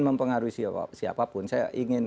mempengaruhi siapapun saya ingin